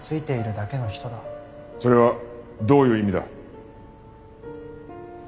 それはどういう意味だ？